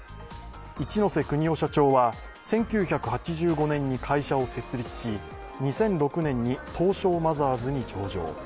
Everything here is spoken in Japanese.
一瀬邦夫社長は１９８５年に会社を設立し２００６年に東証マザーズに上場。